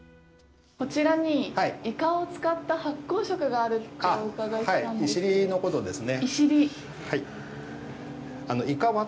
こちらにイカを使った発酵食があるってお伺いしたんですけど。